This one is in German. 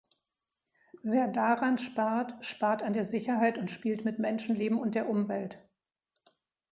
Wer daran spart, spart an der Sicherheit und spielt mit Menschenleben und der Umwelt.